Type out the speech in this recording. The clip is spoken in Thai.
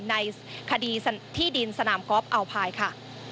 ในคดีที่ดินสนามกอล์ฟอัลพายค่ะ